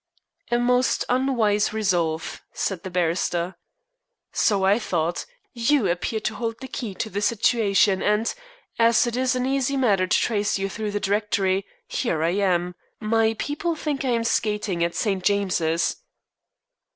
"A most unwise resolve," said the barrister. "So I thought. You appear to hold the key to the situation; and, as it is an easy matter to trace you through the Directory, here I am. My people think I am skating at St. James's."